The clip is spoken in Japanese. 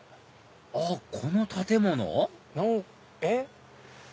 あこの建物？えっ？